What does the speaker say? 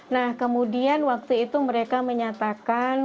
nah kemudian waktu itu mereka menyatakan